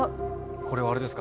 これはあれですか？